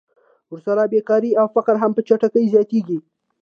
ورسره بېکاري او فقر هم په چټکۍ زیاتېږي